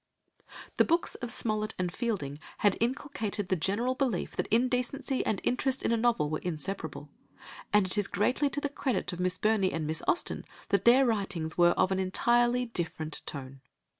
The books of Smollett and Fielding had inculcated the general belief that indecency and interest in a novel were inseparable, and it is greatly to the credit of Miss Burney and Miss Austen that their writings were of an entirely different tone.